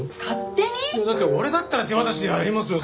いやだって俺だったら手渡しでやりますよ